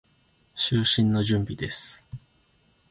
就寝の準備です。